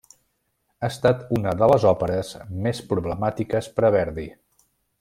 Ha estat una de les òperes més problemàtiques per a Verdi.